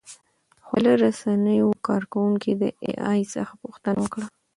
خواله رسنیو کاروونکو د اې ای څخه پوښتنه وکړه.